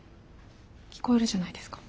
聞こえるじゃないですか。